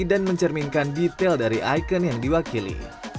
dan mencerminkan detail dari ikon yang diwakili